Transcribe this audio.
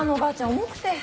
重くて。